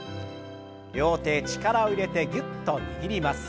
両手力を入れてぎゅっと握ります。